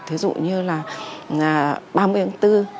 thế dụ như là ba mươi tháng bốn